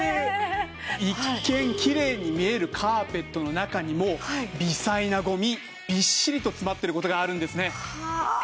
一見きれいに見えるカーペットの中にも微細なゴミびっしりと詰まってる事があるんですね。